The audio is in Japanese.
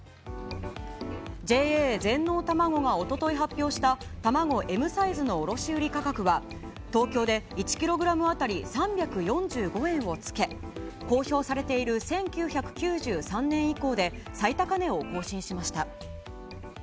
ＪＡ全農たまごがおととい発表した卵Ｍサイズの卸売価格は、東京で１キログラム当たり３４５円をつけ、公表されている１９９３年以降で、最高値を更新しました。